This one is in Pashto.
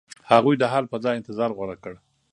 هغوی د حل په ځای انتظار غوره کړ.